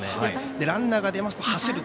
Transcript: ランナーが出ますと走る。